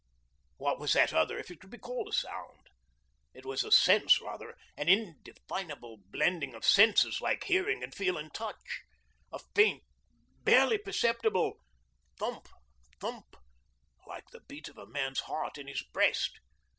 What was that other, if it could be called a sound? It was a sense rather, an indefinable blending of senses of hearing and feel and touch a faint, barely perceptible 'thump, thump,' like the beat of a man's heart in his breast.